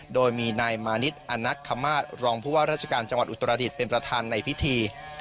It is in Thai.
โดยมีนายมานิดอนักคมาตรรองผู้ว่าราชการจังหวัดอุตรดิษฐ์เป็นประธานในพิธี